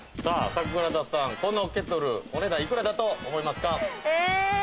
桜田さん、このケトル、お値段、幾らだと思いますか？